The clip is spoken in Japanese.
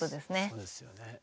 そうですよね。